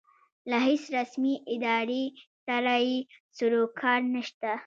له هېڅ رسمې ادارې سره یې سروکار نشته.